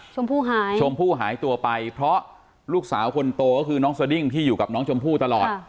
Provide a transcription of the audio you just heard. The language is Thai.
หายชมพู่หายตัวไปเพราะลูกสาวคนโตก็คือน้องสดิ้งที่อยู่กับน้องชมพู่ตลอด